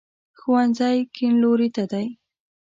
ښوونځی کیڼ لوري ته دی